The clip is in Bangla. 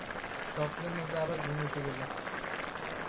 স্বপ্নের মধ্যেই আবার ঘুম এসে গেল।